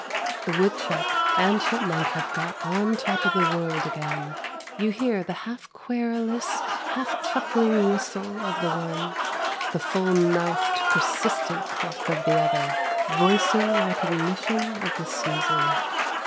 The woodchuck and chipmunk have got on top of the world again. You hear the half querulous, half chuckling whistle of the one, the full mouthed persistent cluck of the other, voicing recognition of the season.